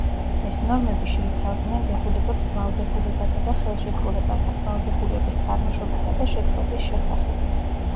ეს ნორმები შეიცავენ ზოგად დებულებებს ვალდებულებათა და ხელშეკრულებათა, ვალდებულების წარმოშობისა და შეწყვეტის შესახებ.